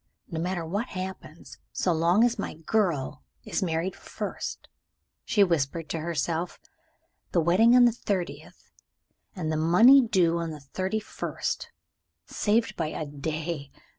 "No matter what happens so long as my girl is married first," she whispered to herself. "The wedding on the thirtieth, and the money due on the thirty first. Saved by a day!